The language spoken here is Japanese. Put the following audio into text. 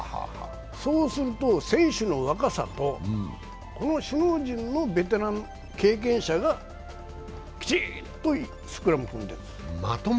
そうすると選手の若さとこの首脳会談のベテラン関係者がきちんと組んでいるんですよ。